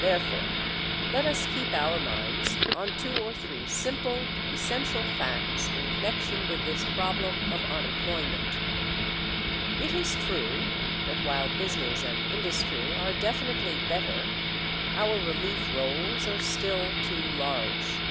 Therefore, let us keep our minds on two or three simple, essential facts in connection with this problem of unemployment. It is true that while business and industry are definitely better our relief rolls are still too large.